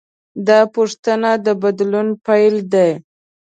دا پوښتنه د بدلون پیل دی.